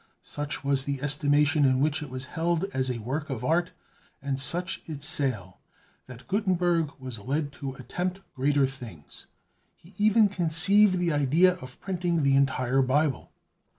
Such was the estimation in which it was held as a work of art, and such its sale, that Gutenberg was led to attempt greater things; he even conceived the idea of printing the entire Bible.